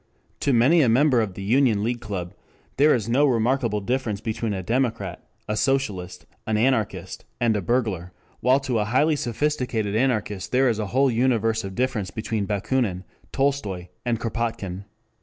To many a member of the Union League Club there is no remarkable difference between a Democrat, a Socialist, an anarchist, and a burglar, while to a highly sophisticated anarchist there is a whole universe of difference between Bakunin, Tolstoi, and Kropotkin.